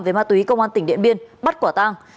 về ma túy công an tỉnh điện biên bắt quả tang